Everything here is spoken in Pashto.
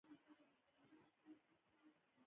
هغوی د محبوب څپو لاندې د مینې ژورې خبرې وکړې.